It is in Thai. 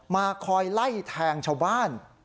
มาคอยไล่แทงชาวบ้าน